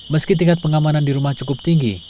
meski tingkat pengamanan di rumah cukup tinggi